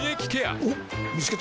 おっ見つけた。